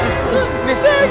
kok gue seh